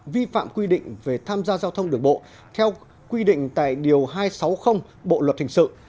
vi phạm quy định về tham gia giao thông đường bộ theo quy định tại điều hai trăm sáu mươi bộ luật hình sự